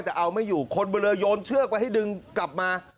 แต่เอาไม่อยู่คนบนเรือโยนเชือกไปให้ดึงกลับมา